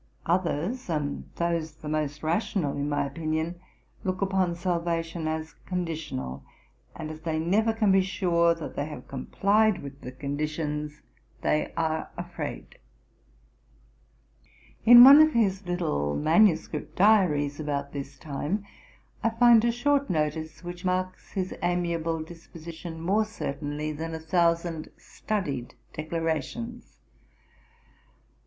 Others, and those the most rational in my opinion, look upon salvation as conditional; and as they never can be sure that they have complied with the conditions, they are afraid.' In one of his little manuscript diaries, about this time, I find a short notice, which marks his amiable disposition more certainly than a thousand studied declarations.